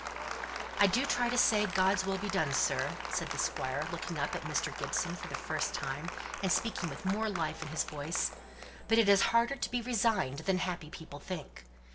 "I do try to say, God's will be done, sir," said the Squire, looking up at Mr. Gibson for the first time, and speaking with more life in his voice; "but it's harder to be resigned than happy people think."